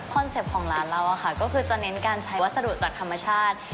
เป็ปต์ของร้านเราก็คือจะเน้นการใช้วัสดุจากธรรมชาติ